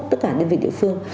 tất cả đơn vị địa phương